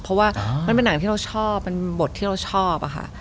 เพราะมันเป็นหนังที่เราชอบบทที่เราชอบ